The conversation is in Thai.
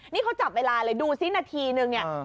นี่เขาจับเวลาเลยดูสิหน่าทีหนึ่ง